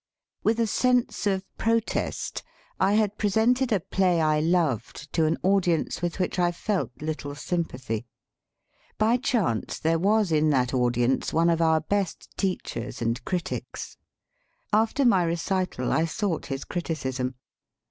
With a sense of protest, I had presented a play I loved, to an audience with which I felt little sympathy. By chance there was in that audience one of our best teachers and critics. After my re cital I sought his criticism.